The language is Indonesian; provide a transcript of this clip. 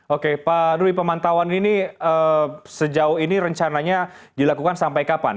oke pak dwi pemantauan ini sejauh ini rencananya dilakukan sampai kapan